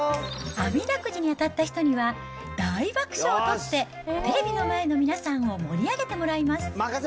あみだくじに当たった人には、大爆笑を取ってテレビの前の皆さんを盛り上げてもらいます。